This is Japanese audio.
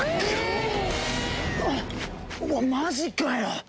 マジかよ！